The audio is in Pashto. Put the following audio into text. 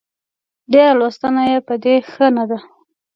ډېره لوستنه يې په دې ښه نه ده